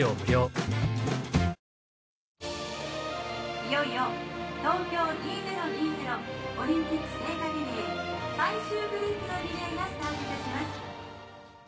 いよいよ東京２０２０オリンピック聖火リレー最終グループのリレーがスタートいたします。